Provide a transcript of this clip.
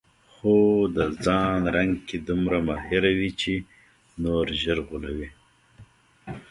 خو د ځان رنګ کې دومره ماهره وي چې نور ژر غولوي.